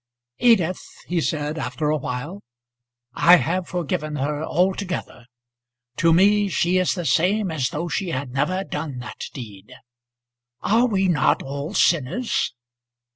"Edith," he said, after a while, "I have forgiven her altogether. To me she is the same as though she had never done that deed. Are we not all sinners?"